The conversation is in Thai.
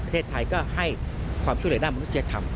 ประเทศไทยก็ให้ความช่วยเหลือด้านมนุษยธรรม